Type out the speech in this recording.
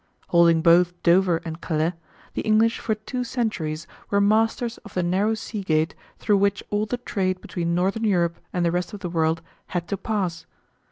Holding both Dover and Calais the English for two centuries were masters of the narrow sea gate through which all the trade between northern Europe and the rest of the world had to pass.